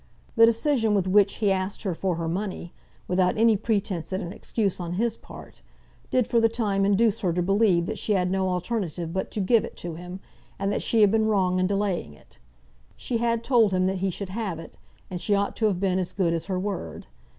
The decision with which he asked for her money, without any pretence at an excuse on his part, did for the time induce her to believe that she had no alternative but to give it to him, and that she had been wrong in delaying it. She had told him that he should have it, and she ought to have been as good as her word.